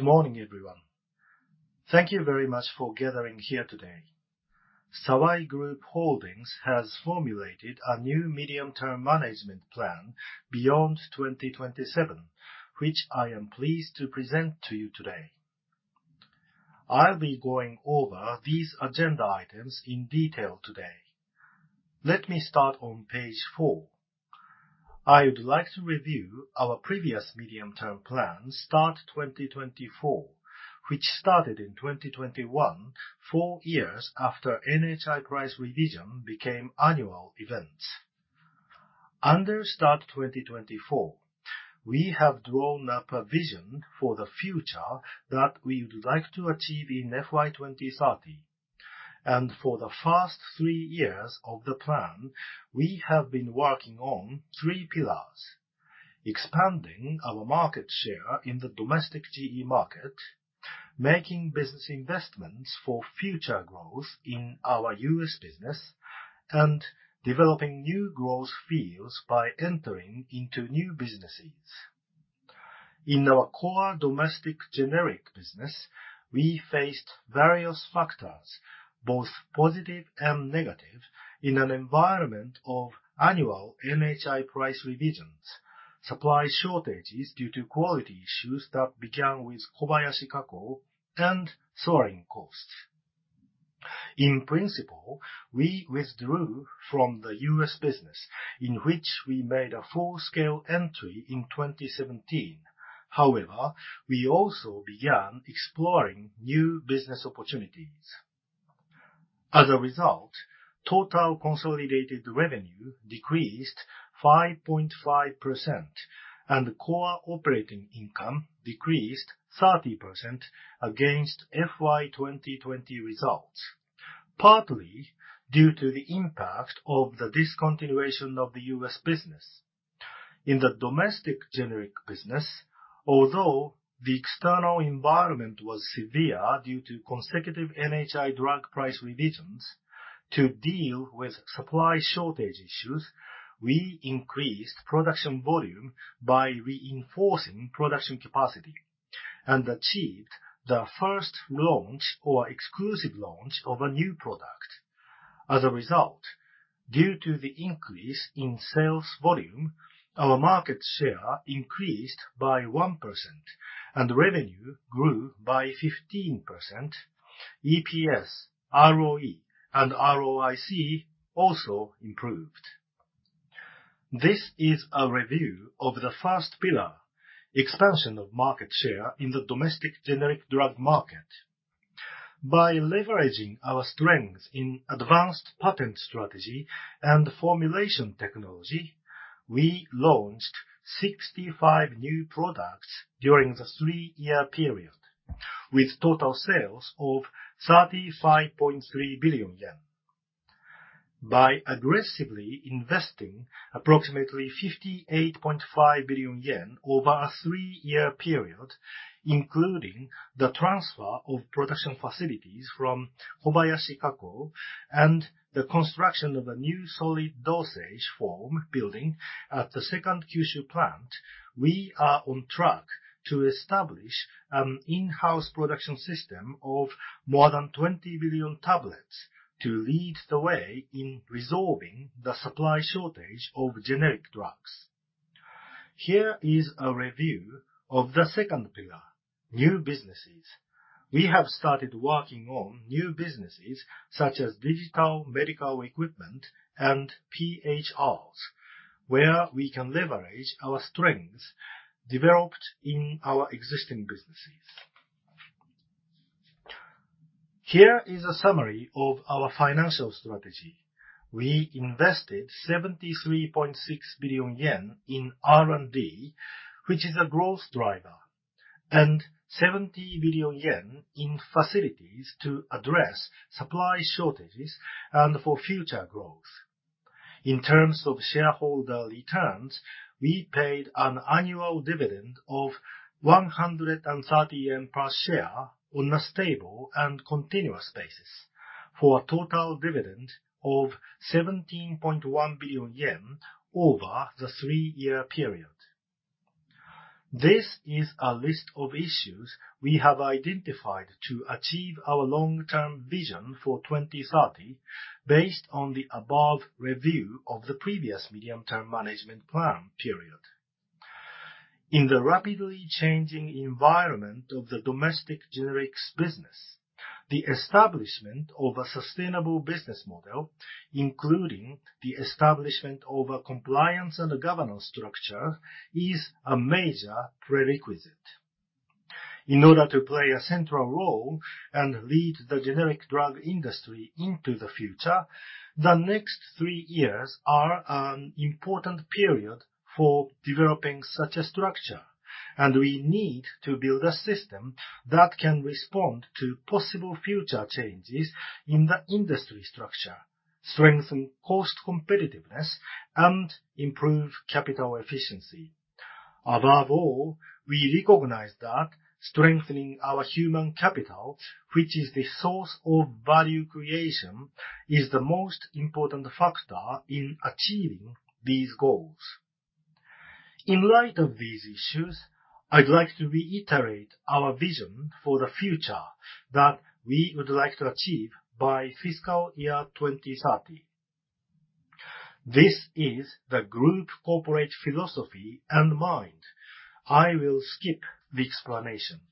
Good morning, everyone. Thank you very much for gathering here today. Sawai Group Holdings has formulated a new medium-term management plan Beyond 2027, which I am pleased to present to you today. I'll be going over these agenda items in detail today. Let me start on page four. I would like to review our previous medium-term plan, START 2024, which started in 2021, four years after NHI price revision became annual events. Under START 2024, we have drawn up a vision for the future that we would like to achieve in FY 2030, and for the first three years of the plan, we have been working on three pillars: expanding our market share in the domestic GE market, making business investments for future growth in our U.S. business, and developing new growth fields by entering into new businesses. In our core domestic generic business, we faced various factors, both positive and negative, in an environment of annual NHI price revisions, supply shortages due to quality issues that began with Kobayashi Kako, and soaring costs. In principle, we withdrew from the U.S. business in which we made a full-scale entry in 2017. However, we also began exploring new business opportunities. As a result, total consolidated revenue decreased 5.5% and core operating income decreased 30% against FY 2020 results, partly due to the impact of the discontinuation of the U.S. business. In the domestic generic business, although the external environment was severe due to consecutive NHI drug price revisions to deal with supply shortage issues, we increased production volume by reinforcing production capacity and achieved the first launch or exclusive launch of a new product. As a result, due to the increase in sales volume, our market share increased by 1% and revenue grew by 15%, EPS, ROE, and ROIC also improved. This is a review of the first pillar, expansion of market share in the domestic generic drug market. By leveraging our strengths in advanced patent strategy and formulation technology, we launched 65 new products during the three-year period, with total sales of 35.3 billion yen. By aggressively investing approximately 58.5 billion yen over a three-year period, including the transfer of production facilities from Kobayashi Kako and the construction of a new solid dosage form building at the second Kyushu plant, we are on track to establish an in-house production system of more than 20 billion tablets to lead the way in resolving the supply shortage of generic drugs. Here is a review of the second pillar, new businesses. We have started working on new businesses such as digital medical equipment and PHRs, where we can leverage our strengths developed in our existing businesses. Here is a summary of our financial strategy. We invested 73.6 billion yen in R&D, which is a growth driver, and 70 billion yen in facilities to address supply shortages and for future growth. In terms of shareholder returns, we paid an annual dividend of 130 yen per share on a stable and continuous basis, for a total dividend of 17.1 billion yen over the three-year period. This is a list of issues we have identified to achieve our long-term vision for 2030 based on the above review of the previous medium-term management plan period. In the rapidly changing environment of the domestic generics business, the establishment of a sustainable business model, including the establishment of a compliance and governance structure, is a major prerequisite. In order to play a central role and lead the generic drug industry into the future, the next three years are an important period for developing such a structure. We need to build a system that can respond to possible future changes in the industry structure, strengthen cost competitiveness, and improve capital efficiency. Above all, we recognize that strengthening our human capital, which is the source of value creation, is the most important factor in achieving these goals. In light of these issues, I would like to reiterate our vision for the future that we would like to achieve by fiscal year 2030. This is the group corporate philosophy and mind. I will skip the explanation.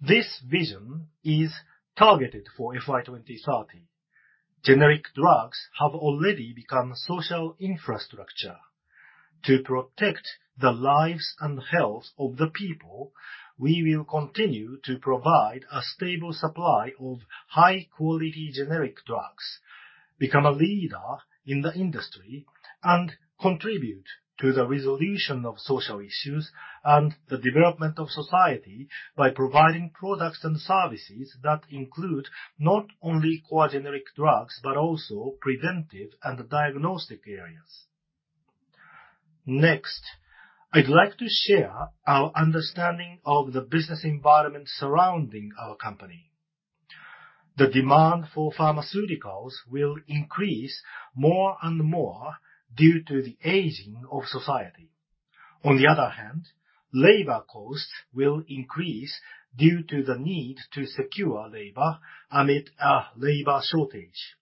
This vision is targeted for FY 2030. Generic drugs have already become social infrastructure. To protect the lives and health of the people, we will continue to provide a stable supply of high-quality generic drugs, become a leader in the industry, and contribute to the resolution of social issues and the development of society by providing products and services that include not only quality generic drugs, but also preventive and diagnostic areas. Next, I would like to share our understanding of the business environment surrounding our company. The demand for pharmaceuticals will increase more and more due to the aging of society. On the other hand, labor costs will increase due to the need to secure labor amid a labor shortage.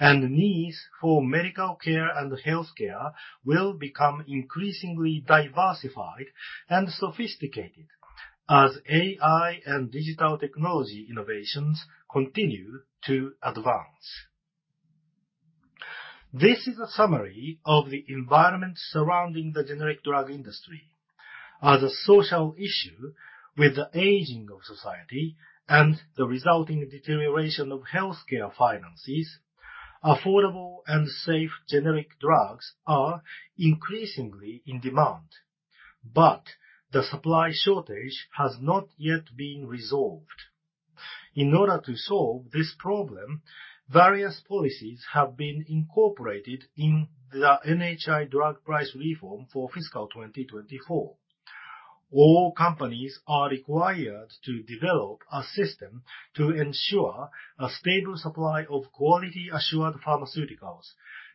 Needs for medical care and healthcare will become increasingly diversified and sophisticated as AI and digital technology innovations continue to advance. This is a summary of the environment surrounding the generic drug industry. As a social issue with the aging of society and the resulting deterioration of healthcare finances, affordable and safe generic drugs are increasingly in demand. The supply shortage has not yet been resolved. In order to solve this problem, various policies have been incorporated in the NHI Drug Price Reform for fiscal 2024. All companies are required to develop a system to ensure a stable supply of quality assured pharmaceuticals.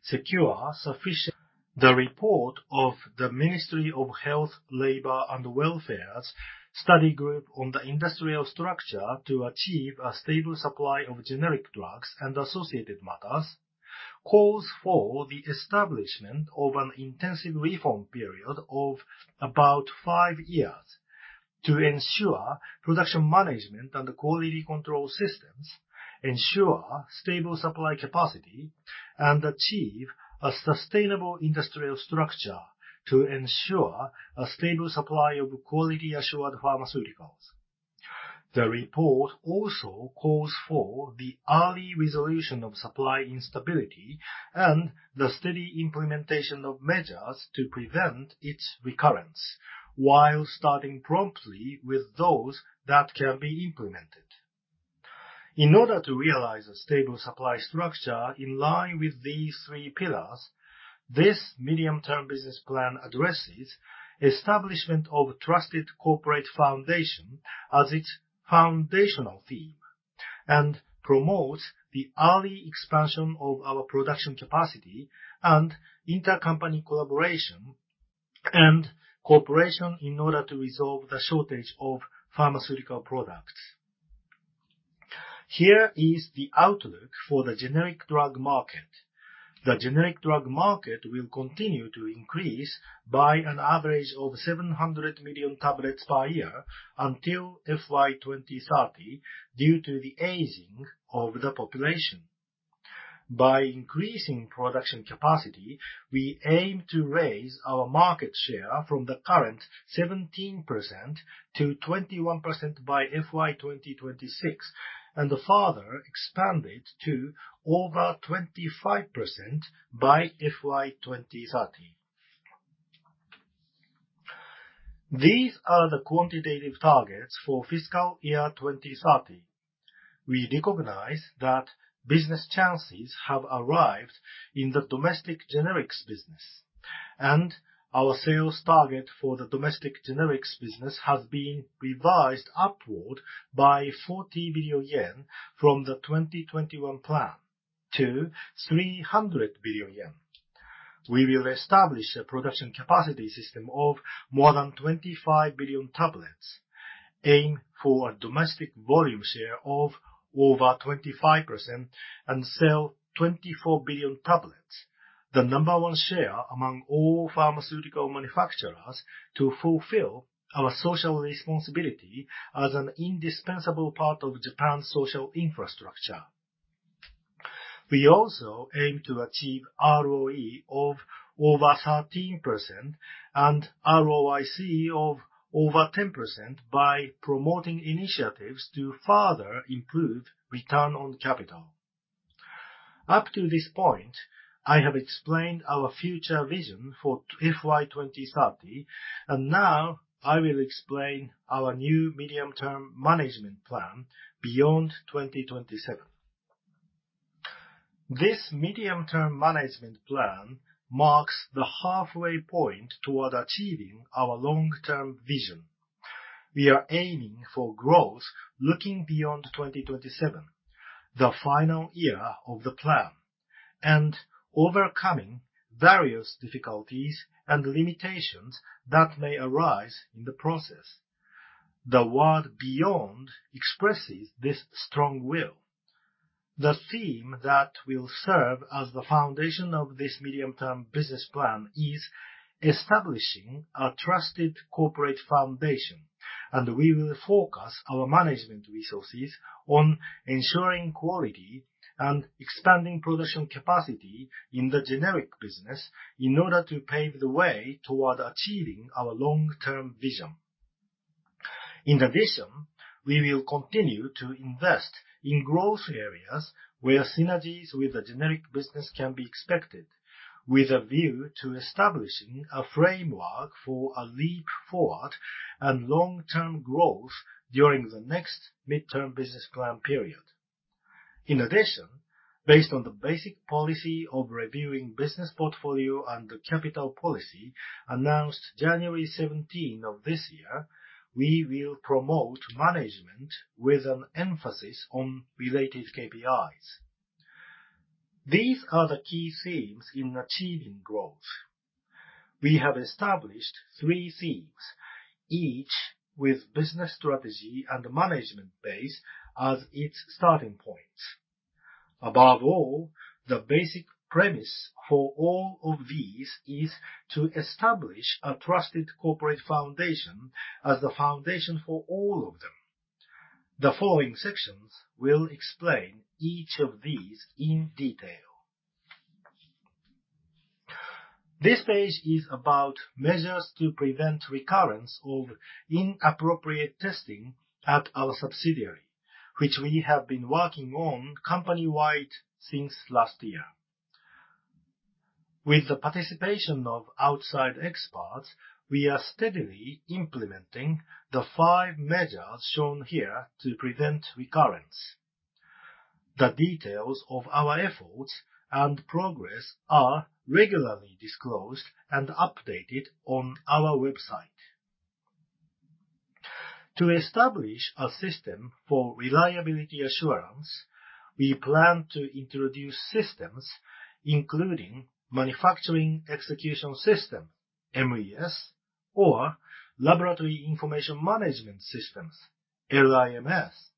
The report of the Ministry of Health, Labour and Welfare's study group on the industrial structure to achieve a stable supply of generic drugs and associated matters calls for the establishment of an intensive reform period of about five years to ensure production management and quality control systems, ensure stable supply capacity, and achieve a sustainable industrial structure to ensure a stable supply of quality assured pharmaceuticals. The report also calls for the early resolution of supply instability and the steady implementation of measures to prevent its recurrence while starting promptly with those that can be implemented. In order to realize a stable supply structure in line with these three pillars, this medium-term business plan addresses establishment of trusted corporate foundation as its foundational theme and promotes the early expansion of our production capacity and intercompany collaboration and cooperation in order to resolve the shortage of pharmaceutical products. Here is the outlook for the generic drug market. The generic drug market will continue to increase by an average of 700 million tablets per year until FY 2030 due to the aging of the population. By increasing production capacity, we aim to raise our market share from the current 17%-21% by FY 2026, and further expand it to over 25% by FY 2030. These are the quantitative targets for FY 2030. We recognize that business chances have arrived in the domestic generics business, and our sales target for the domestic generics business has been revised upward by 40 billion yen from the 2021 plan to 300 billion yen. We will establish a production capacity system of more than 25 billion tablets, aim for a domestic volume share of over 25%, and sell 24 billion tablets, the number one share among all pharmaceutical manufacturers to fulfill our social responsibility as an indispensable part of Japan's social infrastructure. We also aim to achieve ROE of over 13% and ROIC of over 10% by promoting initiatives to further improve return on capital. Up to this point, I have explained our future vision for FY 2030. Now I will explain our new medium-term management plan Beyond 2027. This medium-term management plan marks the halfway point toward achieving our long-term vision. We are aiming for growth looking Beyond 2027, the final year of the plan, and overcoming various difficulties and limitations that may arise in the process. The word "beyond" expresses this strong will. The theme that will serve as the foundation of this medium-term business plan is establishing a trusted corporate foundation, and we will focus our management resources on ensuring quality and expanding production capacity in the generic business in order to pave the way toward achieving our long-term vision. In addition, we will continue to invest in growth areas where synergies with the generic business can be expected, with a view to establishing a framework for a leap forward and long-term growth during the next mid-term business plan period. In addition, based on the basic policy of reviewing business portfolio and capital policy announced January 17 of this year, we will promote management with an emphasis on related KPIs. These are the key themes in achieving growth. We have established three themes, each with business strategy and management base as its starting points. Above all, the basic premise for all of these is to establish a trusted corporate foundation as the foundation for all of them. The following sections will explain each of these in detail. This page is about measures to prevent recurrence of inappropriate testing at our subsidiary, which we have been working on company-wide since last year. With the participation of outside experts, we are steadily implementing the five measures shown here to prevent recurrence. The details of our efforts and progress are regularly disclosed and updated on our website. To establish a system for reliability assurance, we plan to introduce systems including manufacturing execution system, MES, or laboratory information management systems, LIMS,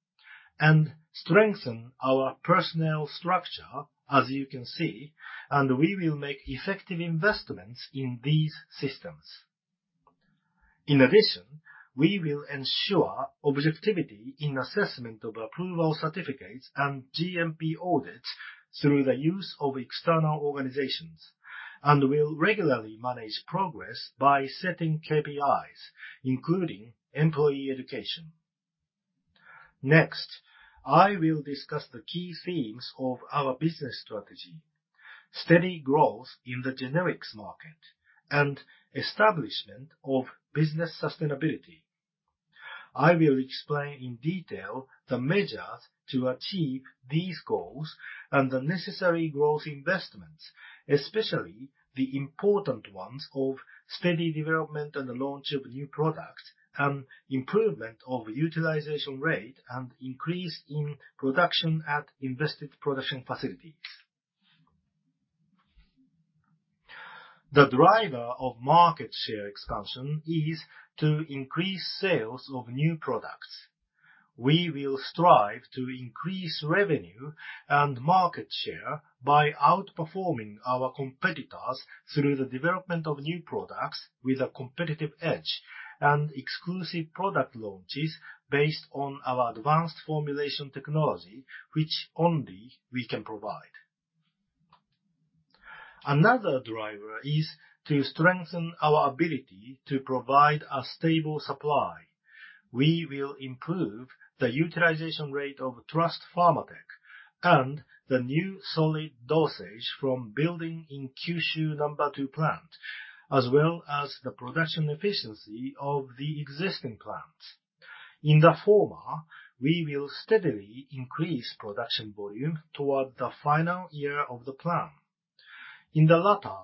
and strengthen our personnel structure, as you can see, and we will make effective investments in these systems. In addition, we will ensure objectivity in assessment of approval certificates and GMP audits through the use of external organizations, and will regularly manage progress by setting KPIs, including employee education. Next, I will discuss the key themes of our business strategy, steady growth in the generics market, and establishment of business sustainability. I will explain in detail the measures to achieve these goals and the necessary growth investments, especially the important ones of steady development and launch of new products and improvement of utilization rate and increase in production at invested production facilities. The driver of market share expansion is to increase sales of new products. We will strive to increase revenue and market share by outperforming our competitors through the development of new products with a competitive edge and exclusive product launches based on our advanced formulation technology, which only we can provide. Another driver is to strengthen our ability to provide a stable supply. We will improve the utilization rate of Trust Pharmatech and the new solid dosage from building in Kyushu number 2 plant, as well as the production efficiency of the existing plants. In the former, we will steadily increase production volume toward the final year of the plan. In the latter,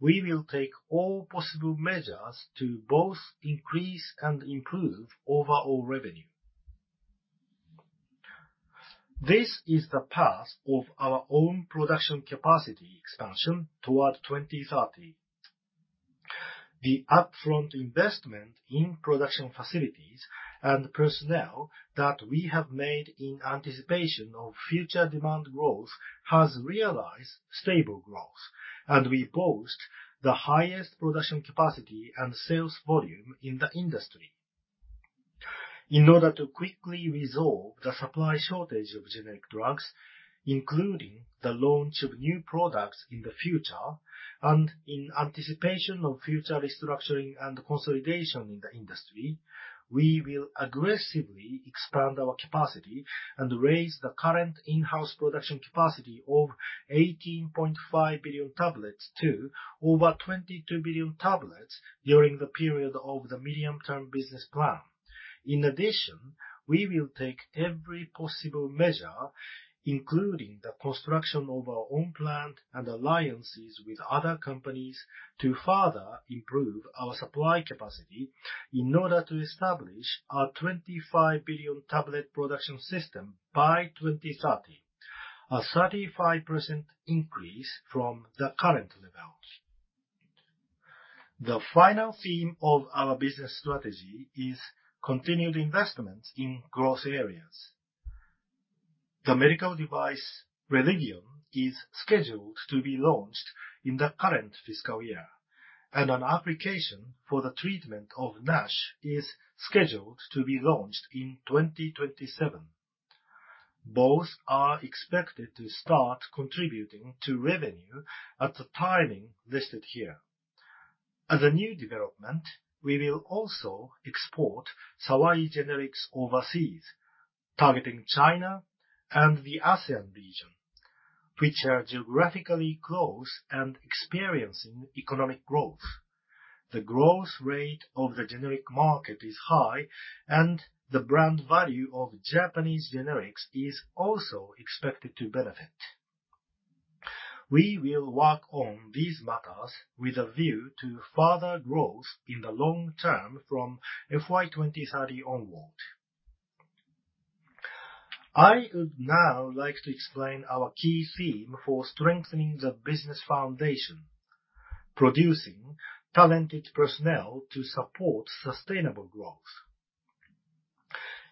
we will take all possible measures to both increase and improve overall revenue. This is the path of our own production capacity expansion toward 2030. The upfront investment in production facilities and personnel that we have made in anticipation of future demand growth has realized stable growth, and we boast the highest production capacity and sales volume in the industry. In order to quickly resolve the supply shortage of generic drugs, including the launch of new products in the future and in anticipation of future restructuring and consolidation in the industry, we will aggressively expand our capacity and raise the current in-house production capacity of 18.5 billion tablets to over 22 billion tablets during the period of the medium-term business plan. In addition, we will take every possible measure, including the construction of our own plant and alliances with other companies, to further improve our supply capacity in order to establish a 25 billion tablet production system by 2030, a 35% increase from the current levels. The final theme of our business strategy is continued investment in growth areas. The medical device, Relivion, is scheduled to be launched in the current fiscal year, and an application for the treatment of NASH is scheduled to be launched in 2027. Both are expected to start contributing to revenue at the timing listed here. As a new development, we will also export Sawai generics overseas, targeting China and the ASEAN region, which are geographically close and experiencing economic growth. The growth rate of the generic market is high, and the brand value of Japanese generics is also expected to benefit. We will work on these matters with a view to further growth in the long term from FY 2030 onwards. I would now like to explain our key theme for strengthening the business foundation: producing talented personnel to support sustainable growth.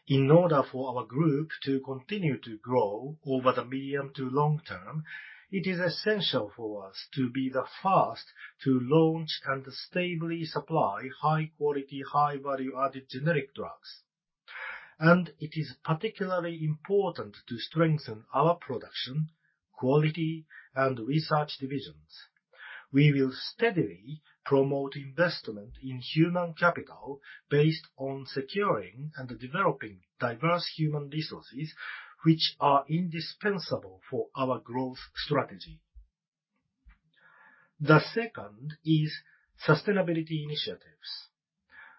In order for our group to continue to grow over the medium to long term, it is essential for us to be the first to launch and stably supply high-quality, high value-added generic drugs. It is particularly important to strengthen our production, quality, and research divisions. We will steadily promote investment in human capital based on securing and developing diverse human resources, which are indispensable for our growth strategy. The second is sustainability initiatives.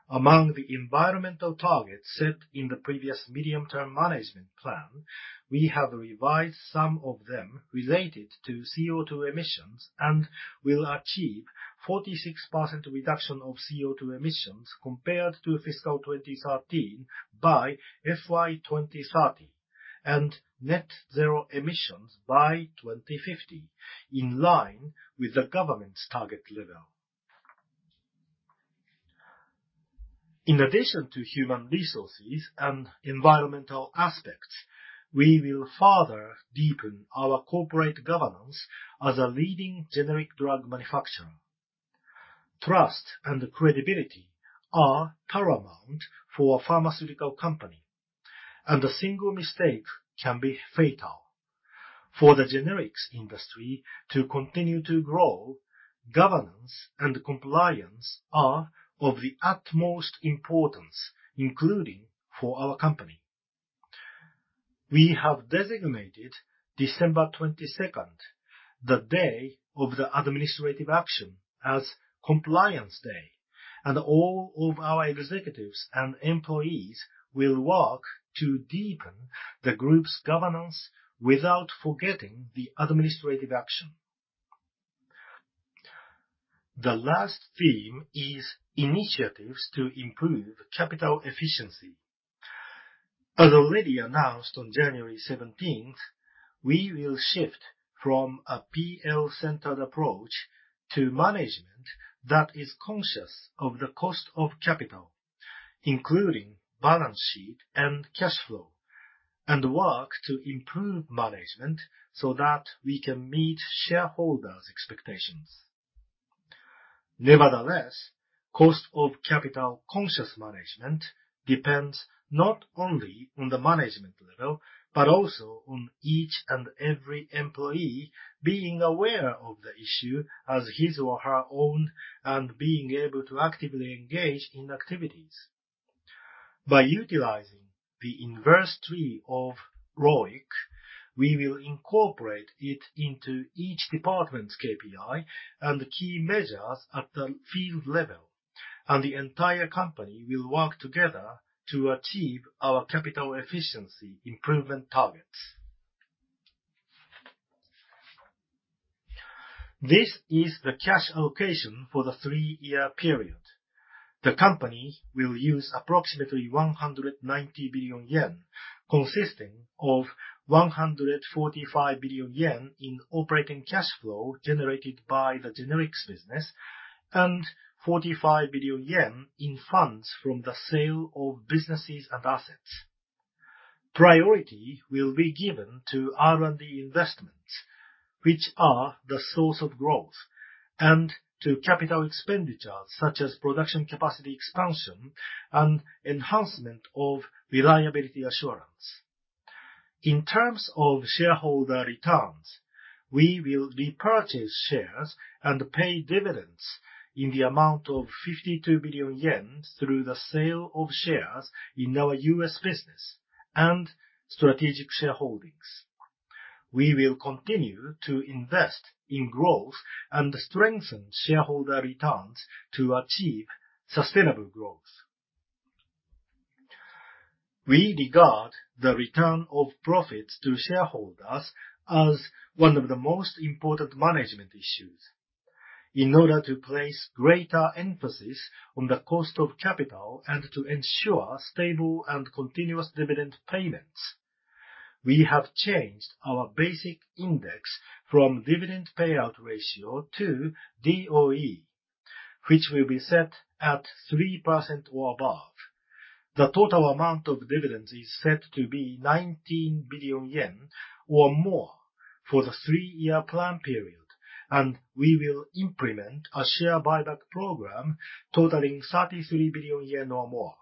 Among the environmental targets set in the previous medium-term management plan, we have revised some of them related to CO2 emissions and will achieve 46% reduction of CO2 emissions compared to fiscal 2013 by FY 2030, and net zero emissions by 2050, in line with the government's target level. In addition to human resources and environmental aspects, we will further deepen our corporate governance as a leading generic drug manufacturer. Trust and credibility are paramount for a pharmaceutical company, and a single mistake can be fatal. For the generics industry to continue to grow, governance and compliance are of the utmost importance, including for our company. We have designated December 22nd, the day of the administrative action, as Compliance Day, and all of our executives and employees will work to deepen the group's governance without forgetting the administrative action. The last theme is initiatives to improve capital efficiency. As already announced on January 17th, we will shift from a PL-centered approach to management that is conscious of the cost of capital, including balance sheet and cash flow, and work to improve management so that we can meet shareholders' expectations. Nevertheless, cost of capital conscious management depends not only on the management level, but also on each and every employee being aware of the issue as his or her own, and being able to actively engage in activities. By utilizing the inverse tree of ROIC, we will incorporate it into each department's KPI and key measures at the field level, and the entire company will work together to achieve our capital efficiency improvement targets. This is the cash allocation for the three-year period. The company will use approximately 190 billion yen, consisting of 145 billion yen in operating cash flow generated by the generics business and 45 billion yen in funds from the sale of businesses and assets. Priority will be given to R&D investments, which are the source of growth, and to capital expenditures such as production capacity expansion and enhancement of reliability assurance. In terms of shareholder returns, we will repurchase shares and pay dividends in the amount of 52 billion yen through the sale of shares in our U.S. business and strategic shareholdings. We will continue to invest in growth and strengthen shareholder returns to achieve sustainable growth. We regard the return of profits to shareholders as one of the most important management issues. In order to place greater emphasis on the cost of capital and to ensure stable and continuous dividend payments, we have changed our basic index from dividend payout ratio to DOE, which will be set at 3% or above. The total amount of dividends is set to be 19 billion yen or more for the three-year plan period, and we will implement a share buyback program totaling 33 billion yen or more.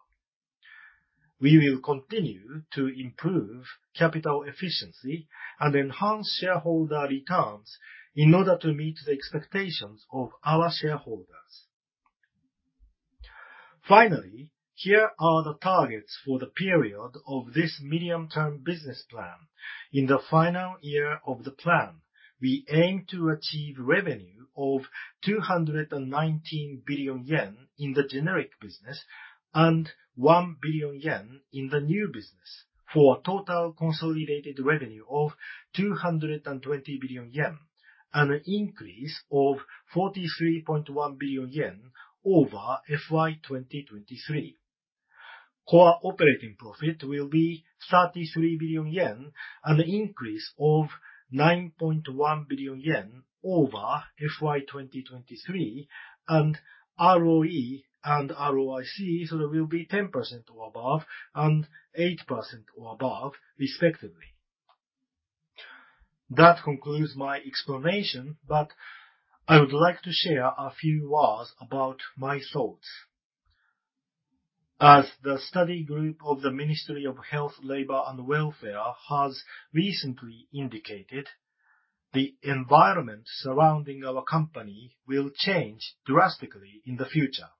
We will continue to improve capital efficiency and enhance shareholder returns in order to meet the expectations of our shareholders. Finally, here are the targets for the period of this medium-term business plan. In the final year of the plan, we aim to achieve revenue of 219 billion yen in the generic business and 1 billion yen in the new business for a total consolidated revenue of 220 billion yen, an increase of 43.1 billion yen over FY 2023. Core operating profit will be 33 billion yen, an increase of 9.1 billion yen over FY 2023, and ROE and ROIC will be 10% or above and 8% or above respectively. That concludes my explanation, but I would like to share a few words about my thoughts. As the study group of the Ministry of Health, Labour and Welfare has recently indicated, the environment surrounding our company will change drastically in the future.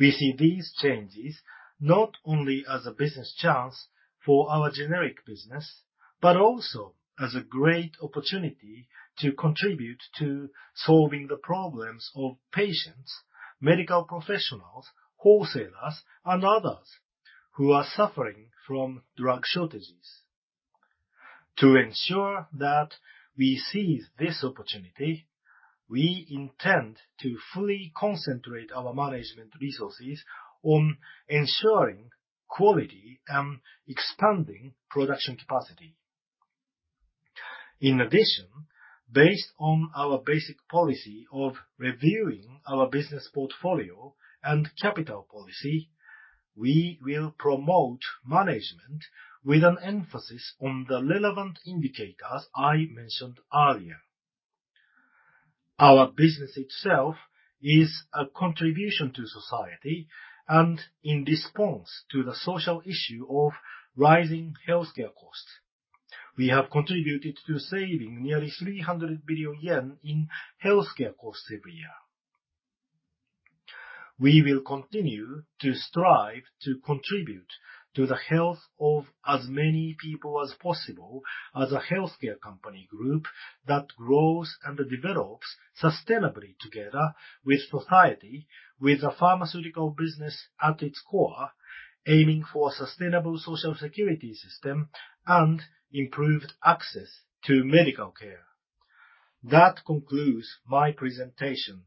We see these changes not only as a business chance for our generic business, but also as a great opportunity to contribute to solving the problems of patients, medical professionals, wholesalers, and others who are suffering from drug shortages. To ensure that we seize this opportunity, we intend to fully concentrate our management resources on ensuring quality and expanding production capacity. In addition, based on our basic policy of reviewing our business portfolio and capital policy, we will promote management with an emphasis on the relevant indicators I mentioned earlier. Our business itself is a contribution to society, and in response to the social issue of rising healthcare costs, we have contributed to saving nearly 300 billion yen in healthcare costs every year. We will continue to strive to contribute to the health of as many people as possible as a healthcare company group that grows and develops sustainably together with society, with a pharmaceutical business at its core, aiming for a sustainable social security system and improved access to medical care. That concludes my presentation.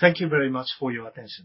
Thank you very much for your attention.